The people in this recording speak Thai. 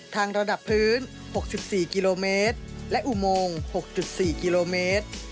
ทางระดับพื้น๖๔กิโลเมตรและอุโมง๖๔กิโลเมตร